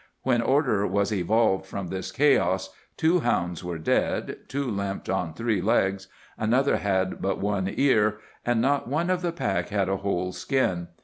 When order was evolved from this chaos, two hounds were dead, two limped on three legs, another had but one ear, and not one of the pack had a whole skin.